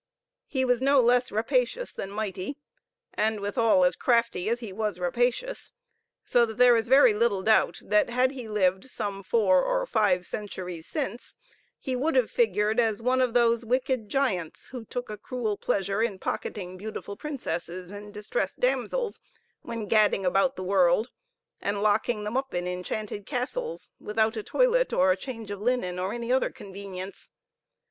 He was no less rapacious than mighty, and withal, as crafty as he was rapacious, so that there is very little doubt that, had he lived some four or five centuries since, he would have figured as one of those wicked giants, who took a cruel pleasure in pocketing beautiful princesses and distressed damsels, when gadding about the world, and locking them up in enchanted castles, without a toilet, a change of linen, or any other convenience.